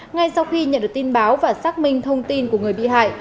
ngay sau khi nhận được tin báo và xác minh thông tin của người bị hại